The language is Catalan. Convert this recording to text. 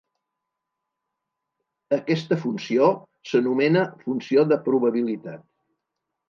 Aquesta funció s'anomena funció de probabilitat.